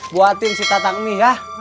buatin si tatang mie ya